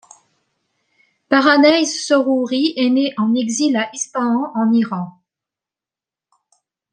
Paradise Sorouri est née en exil à Ispahan en Iran.